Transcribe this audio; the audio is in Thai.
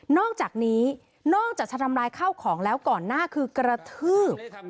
อกจากนี้นอกจากจะทำลายข้าวของแล้วก่อนหน้าคือกระทืบ